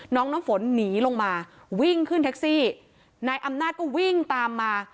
น้องน้ำฝนหนีลงมาวิ่งขึ้นแท็กซี่นายอำนาจก็วิ่งตามมา